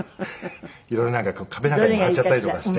色々壁なんかにも貼っちゃったりとかして。